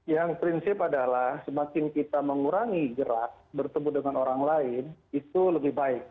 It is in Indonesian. yang prinsip adalah semakin kita mengurangi gerak bertemu dengan orang lain itu lebih baik